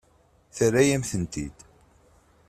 Terra-yam-tent-id.